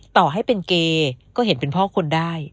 ต่อให้เป็นเกย์ก็เห็นเป็นพ่อคนได้